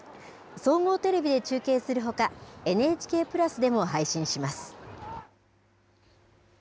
総合テレビで中継するほか、ＮＨＫプラスでも配信します。